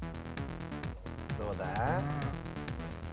どうだ？